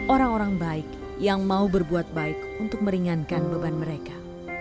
orang orang baik yang mau berbuat baik untuk meringankan beban mereka